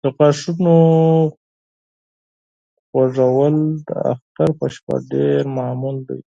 د غاښونو خوږول د اختر په شپه ډېر معمول دی.